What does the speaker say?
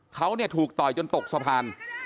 เขาถูกต่อยจนตกสะพาน